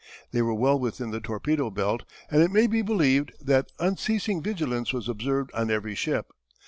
They were well within the torpedo belt and it may be believed that unceasing vigilance was observed on every ship.